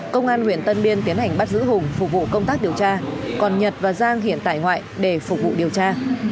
công an huyện tân biên tiến hành bắt giữ hùng phục vụ công tác điều tra còn nhật và giang hiện tại ngoại để phục vụ điều tra